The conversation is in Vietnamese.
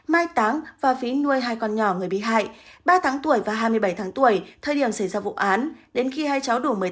mai táng và phí nuôi hai con nhỏ người bị hại ba tháng tuổi và hai mươi bảy tháng tuổi thời điểm xảy ra vụ án đến khi hai cháu đủ một mươi tám